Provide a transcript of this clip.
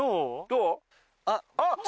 どう？